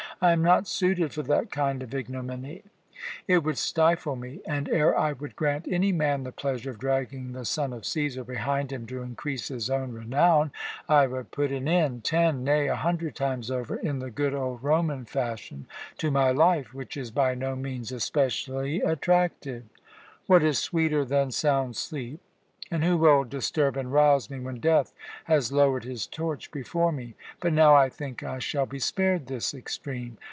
I am not suited for that kind of ignominy. It would stifle me and, ere I would grant any man the pleasure of dragging the son of Cæsar behind him to increase his own renown, I would put an end ten, nay, a hundred times over, in the good old Roman fashion, to my life, which is by no means especially attractive. What is sweeter than sound sleep, and who will disturb and rouse me when Death has lowered his torch before me? But now I think I shall be spared this extreme.